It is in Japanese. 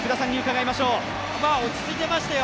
落ち着いていましたよ